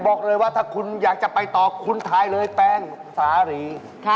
บอกเลยว่าถ้าคุณอยากจะไปต่อคุณทายเลยแป้งสารี